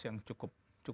yang cukup paten